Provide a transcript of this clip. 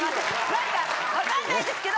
何かわかんないですけど。